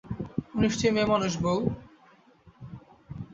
ও নিশ্চয়ই মেয়েমানুষ, বৌ!